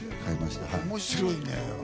面白いね。